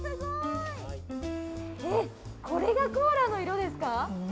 これがコーラの色ですか？